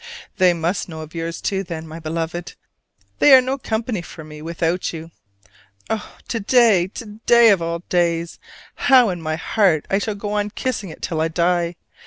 They must know of yours too, then, my Beloved: they are no company for me without you. Oh, to day, to day of all days! how in my heart I shall go on kissing it till I die!